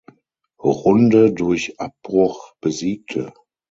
Runde durch Abbruch besiegte.